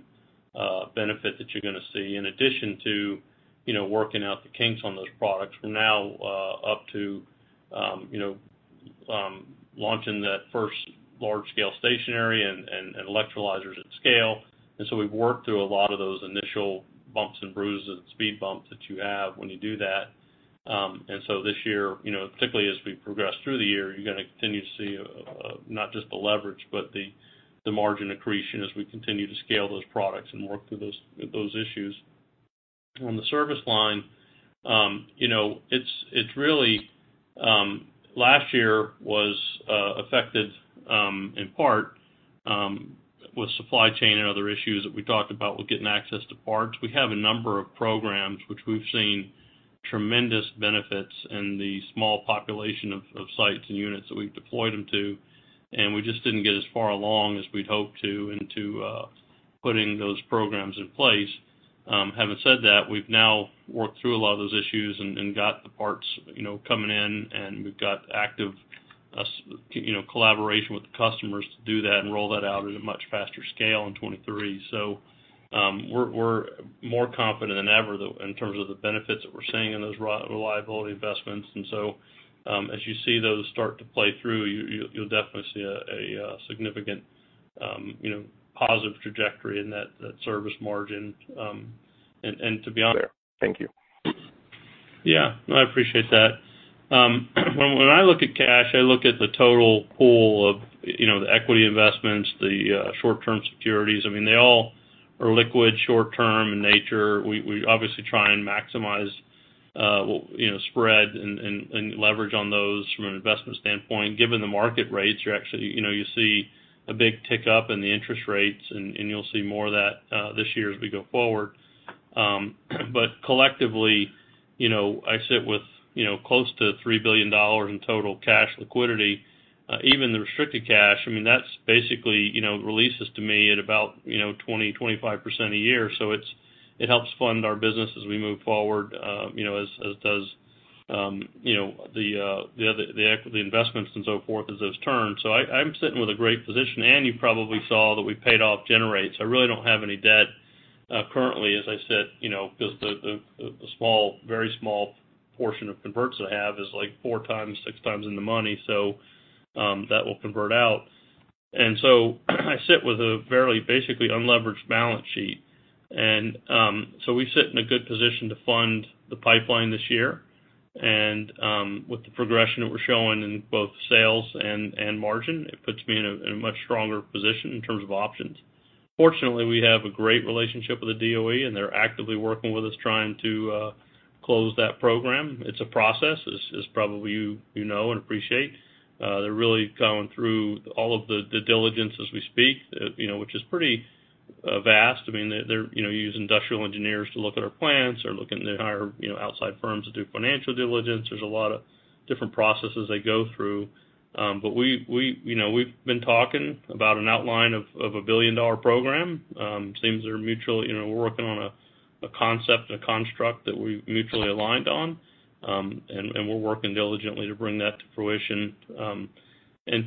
benefit that you're gonna see in addition to, you know, working out the kinks on those products. We're now up to, you know, launching that first large-scale stationary and electrolyzers at scale. We've worked through a lot of those initial bumps and bruises and speed bumps that you have when you do that. This year, you know, particularly as we progress through the year, you're gonna continue to see not just the leverage, but the margin accretion as we continue to scale those products and work through those issues. On the service line, you know, it's really, last year was affected in part with supply chain and other issues that we talked about with getting access to parts. We have a number of programs which we've seen tremendous benefits in the small population of sites and units that we've deployed them to, we just didn't get as far along as we'd hoped to into putting those programs in place. Having said that, we've now worked through a lot of those issues and got the parts, you know, coming in, and we've got active, you know, collaboration with the customers to do that and roll that out at a much faster scale in 2023. We're more confident than ever though in terms of the benefits that we're seeing in those reliability investments. As you see those start to play through, you'll definitely see a significant, you know, positive trajectory in that service margin. To be honest. Thank you. Yeah. No, I appreciate that. When I look at cash, I look at the total pool of, you know, the equity investments, the short-term securities. I mean, they all are liquid short-term in nature. We obviously try and maximize, you know, spread and leverage on those from an investment standpoint. Given the market rates, you're actually, you know, you see a big tick up in the interest rates, and you'll see more of that this year as we go forward. Collectively, you know, I sit with, you know, close to $3 billion in total cash liquidity. Even the restricted cash, I mean, that's basically, you know, releases to me at about, you know, 20%-25% a year. It helps fund our business as we move forward, you know, as does, you know, the other, the equity investments and so forth as those turn. I'm sitting with a great position. You probably saw that we paid off Generate Capital, so I really don't have any debt currently, as I said, you know, 'cause the small, very small portion of converts I have is, like, 4x, 6x in the money, so that will convert out. I sit with a fairly, basically unleveraged balance sheet. We sit in a good position to fund the pipeline this year. With the progression that we're showing in both sales and margin, it puts me in a much stronger position in terms of options. Fortunately, we have a great relationship with the DOE, and they're actively working with us trying to close that program. It's a process, as probably you know and appreciate. They're really going through all of the diligence as we speak, you know, which is pretty vast. I mean, they're, you know, use industrial engineers to look at our plants. They're looking to hire, you know, outside firms to do financial diligence. There's a lot of different processes they go through. We, you know, we've been talking about an outline of a billion-dollar program. Seems they're mutually, you know, we're working on a concept and a construct that we've mutually aligned on. We're working diligently to bring that to fruition.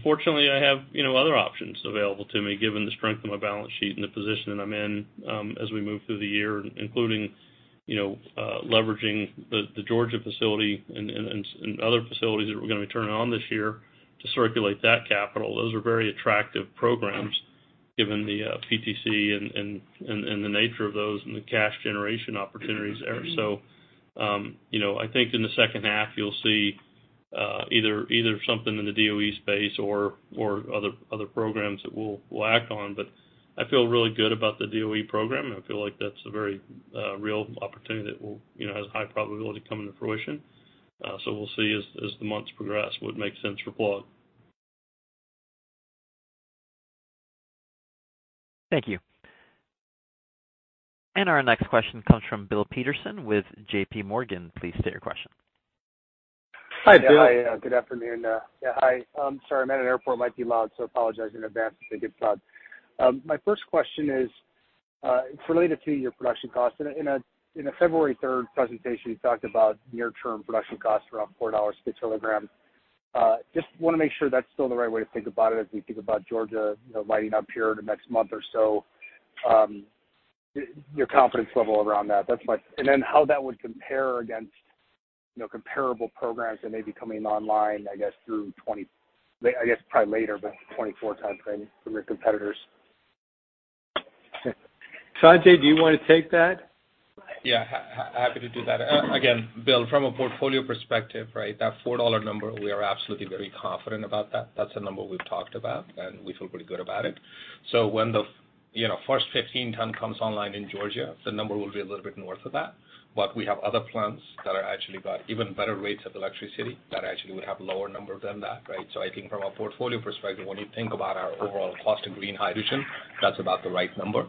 Fortunately, I have, you know, other options available to me given the strength of my balance sheet and the position that I'm in as we move through the year, including, you know, leveraging the Georgia facility and other facilities that we're gonna be turning on this year to circulate that capital. Those are very attractive programs given the PTC and the nature of those and the cash generation opportunities there. You know, I think in the second half you'll see either something in the DOE space or other programs that we'll act on. I feel really good about the DOE program, and I feel like that's a very real opportunity that will, you know, has a high probability of coming to fruition. We'll see as the months progress what makes sense for Plug. Thank you. Our next question comes from Bill Peterson with JPMorgan. Please state your question. Hi, Bill. Hi. Good afternoon. Hi. I'm sorry, I'm at an airport, it might be loud, so apologize in advance if I get caught. My first question is, it's related to your production cost. In a February 3rd presentation, you talked about near-term production costs around $4 per kilogram. Just wanna make sure that's still the right way to think about it as we think about Georgia, you know, lighting up here in the next month or so, your confidence level around that. That's my... Then how that would compare against, you know, comparable programs that may be coming online, I guess, through 2024 timeframe from your competitors. Sanjay, do you wanna take that? Yeah. Happy to do that. Again, Bill, from a portfolio perspective, right? That $4 number, we are absolutely very confident about that. That's a number we've talked about, and we feel pretty good about it. When you know, first 15 ton comes online in Georgia, the number will be a little bit north of that. We have other plants that are actually got even better rates of electricity that actually would have lower number than that, right? I think from a portfolio perspective, when you think about our overall cost of green hydrogen, that's about the right number.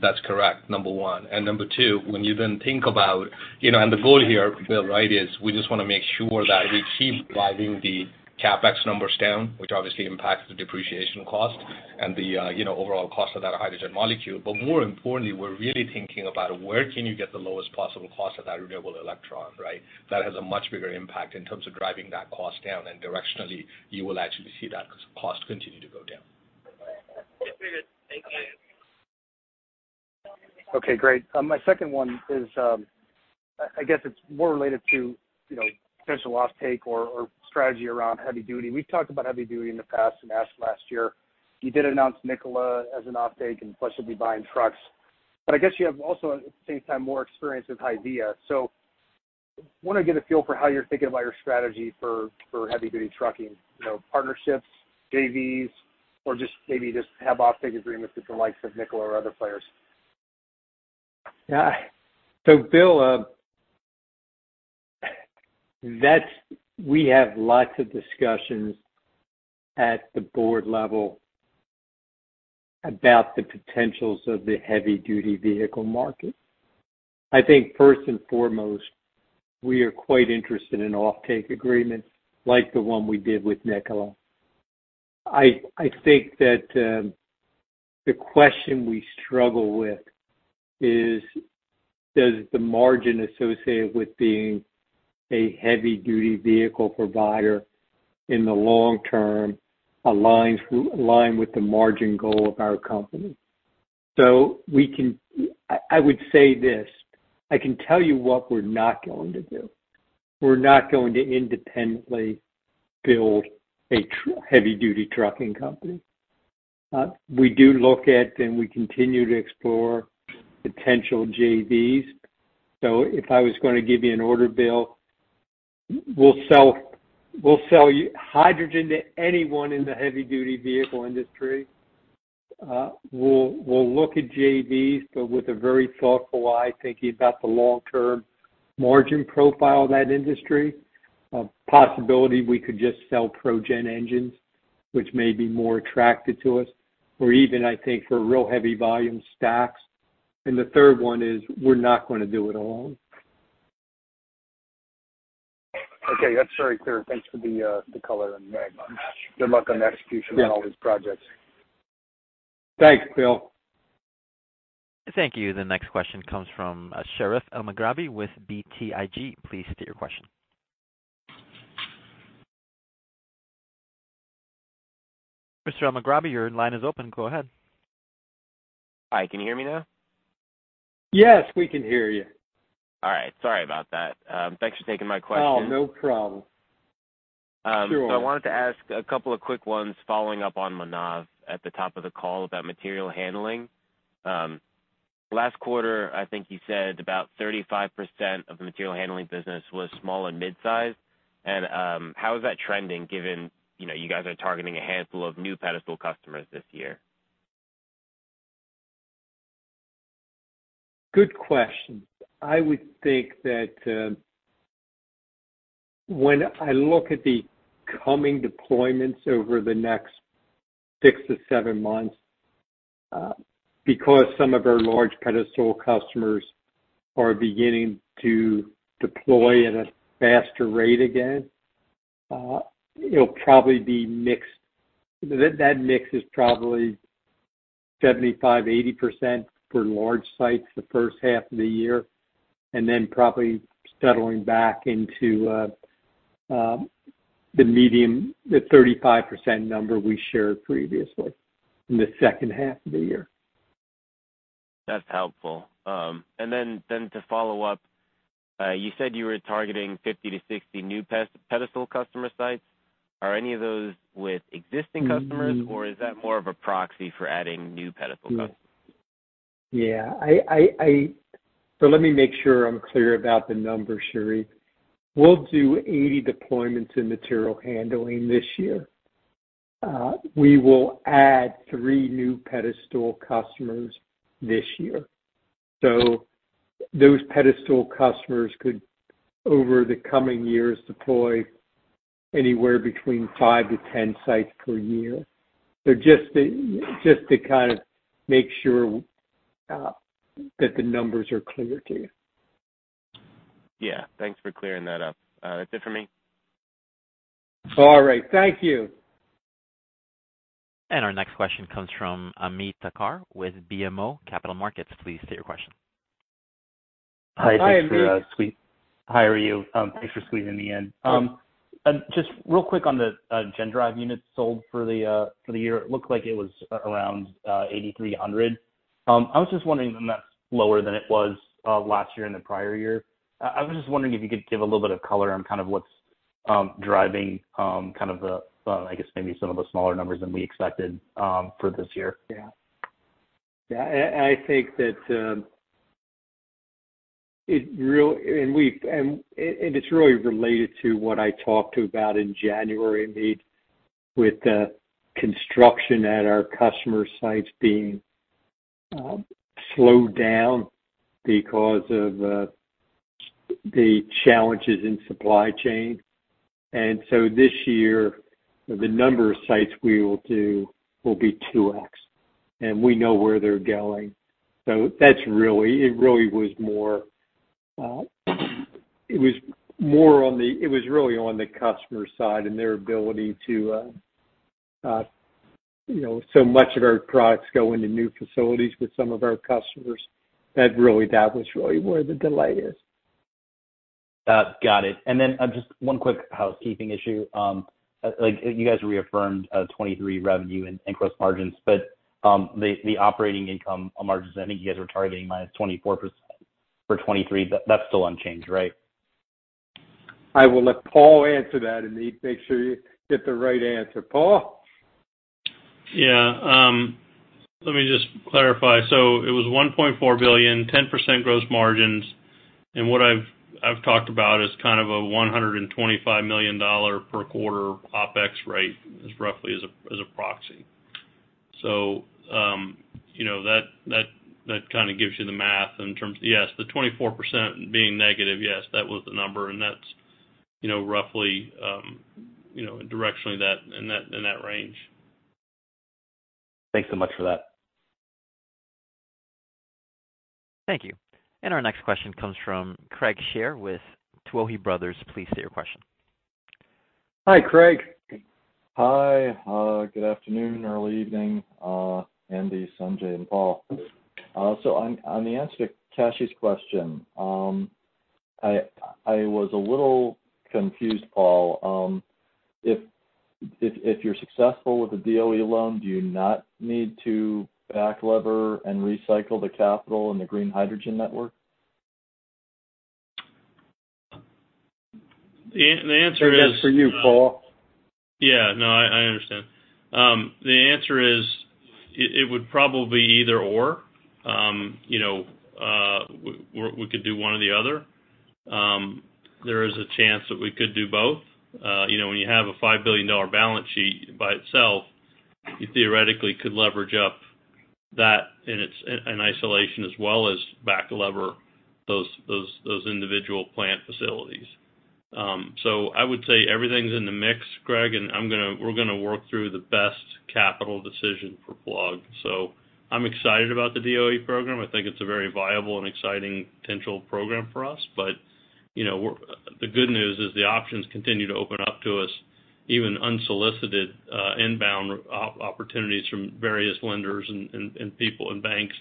That's correct, number 1. Number two, when you then think about, you know, and the goal here, Bill, right, is we just wanna make sure that we keep driving the CapEx numbers down, which obviously impacts the depreciation cost and the, you know, overall cost of that hydrogen molecule. More importantly, we're really thinking about where can you get the lowest possible cost of that renewable electron, right? That has a much bigger impact in terms of driving that cost down. Directionally, you will actually see that cost continue to go down. Okay, great. Thank you. Okay, great. My second one is, I guess it's more related to, you know, potential offtake or strategy around heavy-duty. We've talked about heavy duty in the past and asked last year. You did announce Nikola as an offtake and potentially buying trucks, but I guess you have also, at the same time, more experience with HYVIA. Wanna get a feel for how you're thinking about your strategy for heavy-duty trucking? You know, partnerships, JVs, or just maybe just have offtake agreements with the likes of Nikola or other players. Yeah. Bill, we have lots of discussions at the board level about the potentials of the heavy-duty vehicle market. I think first and foremost, we are quite interested in offtake agreements like the one we did with Nikola. I think that, the question we struggle with is, does the margin associated with being a heavy-duty vehicle provider in the long term align with the margin goal of our company? We can. I would say this, I can tell you what we're not going to do. We're not going to independently build a heavy-duty trucking company. We do look at and we continue to explore potential JVs. If I was gonna give you an order, Bill, we'll sell you hydrogen to anyone in the heavy-duty vehicle industry. We'll look at JVs, but with a very thoughtful eye, thinking about the long-term margin profile of that industry. A possibility we could just sell ProGen engines, which may be more attractive to us, or even, I think, for real heavy volume stacks. The third one is we're not gonna do it alone. Okay. That's very clear. Thanks for the color and guidance. Good luck on the execution on all these projects. Thanks, Bill. Thank you. The next question comes from, Sherif Elmaghrabi with BTIG. Please state your question. Mr. Elmaghrabi, your line is open. Go ahead. Hi, can you hear me now? Yes, we can hear you. All right. Sorry about that. Thanks for taking my question. Oh, no problem. Sure. I wanted to ask a couple of quick ones following up on Manav at the top of the call about material handling. Last quarter, I think you said about 35% of the material handling business was small and midsize. How is that trending given, you know, you guys are targeting a handful of new Pedestal customers this year? Good question. I would think that, when I look at the coming deployments over the next six months-seven months, because some of our large Pedestal customers are beginning to deploy at a faster rate again, it'll probably be mixed. That mix is probably 75%-80% for large sites the first half of the year, and then probably settling back into the medium, the 35% number we shared previously in the second half of the year. That's helpful. Then to follow up, you said you were targeting 50-60 new Pedestal customer sites. Are any of those with existing customers... Mm-hmm. Is that more of a proxy for adding new Pedestal customers? Yeah. Let me make sure I'm clear about the numbers, Sherif. We'll do 80 deployments in material handling this year. We will add three new Pedestal customers this year. Those Pedestal customers could, over the coming years, deploy anywhere between 5-10 sites per year. Just to kind of make sure that the numbers are clear to you. Yeah. Thanks for clearing that up. That's it for me. All right. Thank you. Our next question comes from Ameet Thakkar with BMO Capital Markets. Please state your question. Hi, Ameet. Hi. How are you? Thanks for squeezing me in. Just real quick on the GenDrive units sold for the year. It looked like it was around 8,300. I was just wondering, and that's lower than it was last year and the prior year. I was just wondering if you could give a little bit of color on kind of what's driving kind of the, I guess maybe some of the smaller numbers than we expected for this year. Yeah. Yeah. I think that it's really related to what I talked about in January, Amit, with the construction at our customer sites being slowed down because of the challenges in supply chain. This year, the number of sites we will do will be 2x, and we know where they're going. That's really, it really was more, it was really on the customer side and their ability to, you know. So much of our products go into new facilities with some of our customers, that was really where the delay is. Got it. Just one quick housekeeping issue. Like, you guys reaffirmed 2023 revenue and gross margins, but, the operating income margins, I think you guys were targeting -24% for 2023. That's still unchanged, right? I will let Paul answer that, Ameet. Make sure you get the right answer. Paul? Yeah. let me just clarify. It was $1.4 billion, 10% gross margins, and what I've talked about is kind of a $125 million per quarter OpEx rate as roughly as a proxy. you know, that kinda gives you the math in terms. Yes, the 24% being negative, yes, that was the number and that's, you know, roughly, you know, directionally that, in that range. Thanks so much for that. Thank you. Our next question comes from Craig Shere with Tuohy Brothers. Please state your question. Hi, Craig. Hi. Good afternoon, early evening, Andy, Sanjay, and Paul. On, on the answer to Kashy's question, I was a little confused, Paul. If, if you're successful with the DOE loan, do you not need to back lever and recycle the capital in the green hydrogen network? The answer is. That is for you, Paul. I understand. The answer is it would probably be either/or. You know, we could do one or the other. There is a chance that we could do both. You know, when you have a $5 billion balance sheet by itself, you theoretically could leverage up that in its, in isolation as well as back lever those individual plant facilities. I would say everything's in the mix, Craig, and we're gonna work through the best capital decision for Plug. I'm excited about the DOE program. I think it's a very viable and exciting potential program for us. You know, the good news is the options continue to open up to us, even unsolicited, inbound opportunities from various lenders and people and banks.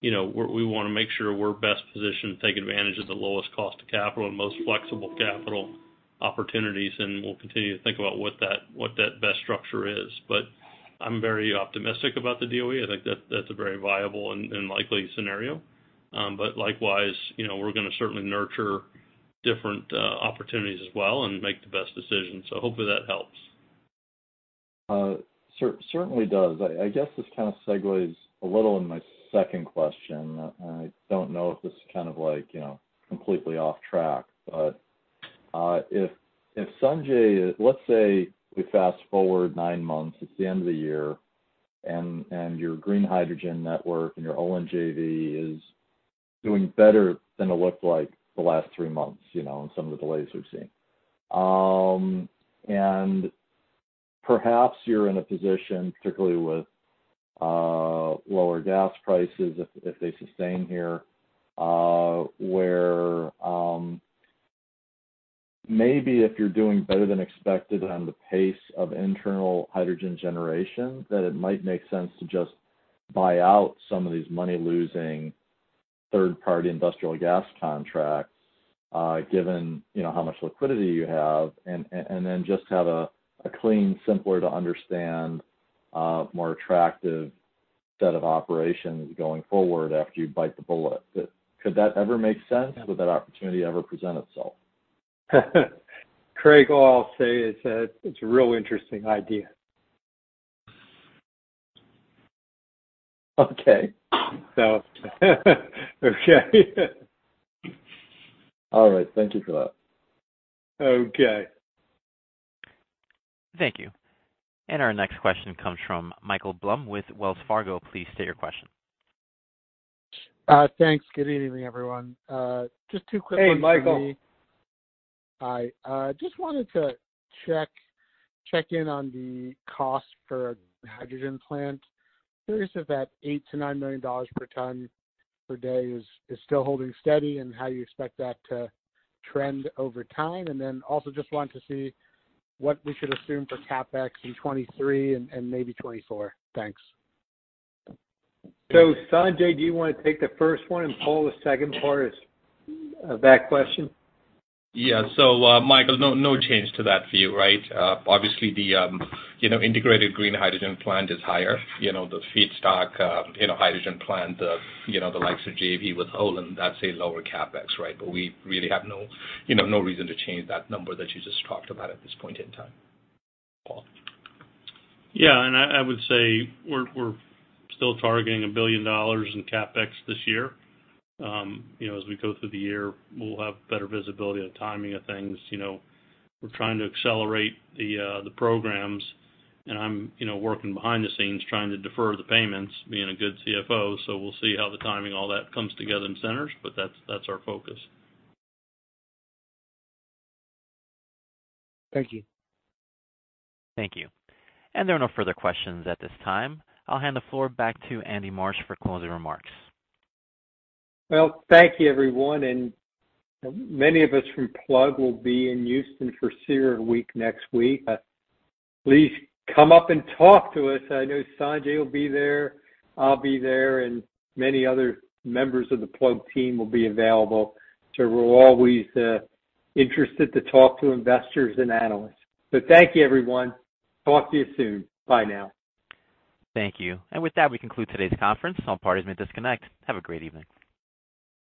You know, we wanna make sure we're best positioned to take advantage of the lowest cost of capital and most flexible capital opportunities, and we'll continue to think about what that best structure is. I'm very optimistic about the DOE. I think that's a very viable and likely scenario. Likewise, you know, we're gonna certainly nurture different opportunities as well and make the best decisions. Hopefully that helps. Certainly does. I guess this kind of segues a little in my second question. I don't know if this is kind of like, you know, completely off track, but if Sanjay, let's say we fast-forward nine months, it's the end of the year and your green hydrogen network and your Olin JV is doing better than it looked like the last three months, you know, and some of the delays we've seen. Perhaps you're in a position, particularly with lower gas prices if they sustain here, where maybe if you're doing better than expected on the pace of internal hydrogen generation, that it might make sense to just buy out some of these money-losing third-party industrial gas contracts, given, you know, how much liquidity you have and then just have a clean, simpler to understand, more attractive set of operations going forward after you bite the bullet. Could that ever make sense? Would that opportunity ever present itself? Craig, all I'll say is that it's a real interesting idea. Okay. Okay. All right. Thank you for that. Okay. Thank you. Our next question comes from Michael Blum with Wells Fargo. Please state your question. Thanks. Good evening, everyone. Just two quick ones for me. Hey, Michael. Hi. just wanted to check in on the cost for a hydrogen plant. Curious if that $8 million-$9 million per ton per day is still holding steady and how you expect that to trend over time. Also just wanted to see what we should assume for CapEx in 2023 and maybe 2024. Thanks. Sanjay, do you wanna take the first one, and Paul, the second part is that question? Yeah. Michael, no change to that view, right? Obviously the, you know, integrated green hydrogen plant is higher. You know, the feedstock, you know, hydrogen plant, the, you know, the likes of JV with Olin, that's a lower CapEx, right? We really have no, you know, no reason to change that number that you just talked about at this point in time. Paul. Yeah. I would say we're still targeting $1 billion in CapEx this year. you know, as we go through the year, we'll have better visibility on timing of things. You know, we're trying to accelerate the programs, and I'm, you know, working behind the scenes trying to defer the payments, being a good CFO. We'll see how the timing, all that comes together and centers, but that's our focus. Thank you. Thank you. There are no further questions at this time. I'll hand the floor back to Andy Marsh for closing remarks. Well, thank you everyone, many of us from Plug will be in Houston for CERAWeek next week. Please come up and talk to us. I know Sanjay will be there, I'll be there, and many other members of the Plug team will be available, so we're always interested to talk to investors and analysts. Thank you, everyone. Talk to you soon. Bye now. Thank you. With that, we conclude today's conference. All parties may disconnect. Have a great evening.